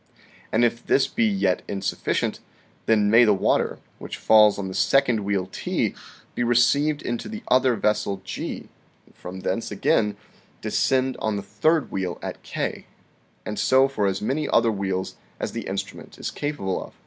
And if this be yet insufficient, then may the water, which falls on the second wheel T, be received into the other vessel G, and from thence again descend on the third wheel at K ; and so for as many other wheels as the instrument is capable of.